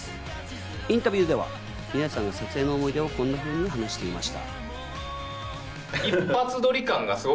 インタビューでは皆さんの撮影の思い出をこんなふうに話していました。